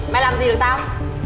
mày làm gì được tao